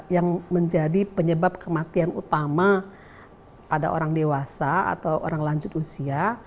yang menjadi penyebab kematian utama pada orang dewasa atau orang lanjut usia